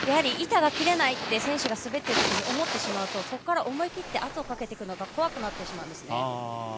板が切れないと選手が滑っていて思ってしまうとそこから思い切って圧をかけていくのが怖くなってしまうんですね。